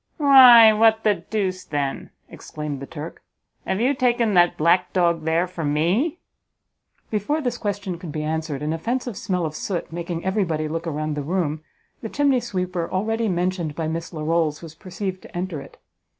"Why, what the deuce, then," exclaimed the Turk, "have you taken that black dog there for me?" Before this question could be answered, an offensive smell of soot, making everybody look around the room, the chimney sweeper already mentioned by Miss Larolles was perceived to enter it.